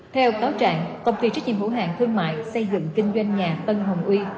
theo cáo trạng công ty trách nhiệm hữu hạng thương mại xây dựng kinh doanh nhà tân hồng uy